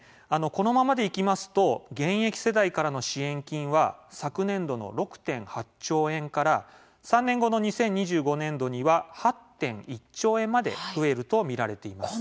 このままでいきますと現役世代からの支援金は昨年度の６．８兆円から３年後の２０２５年度には８．１兆円まで増えると見られています。